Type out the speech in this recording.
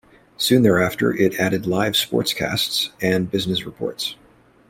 Soon thereafter, it added live sportscasts and business reports.